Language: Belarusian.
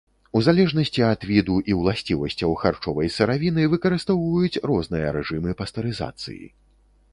У залежнасці ад віду і уласцівасцяў харчовай сыравіны выкарыстоўваюць розныя рэжымы пастэрызацыі.